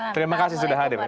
terima kasih sudah hadir